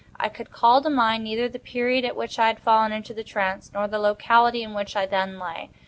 I could call to mind neither the period at which I had fallen into the trance, nor the locality in which I then lay.